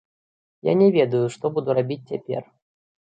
Я не ведаю, што буду рабіць цяпер.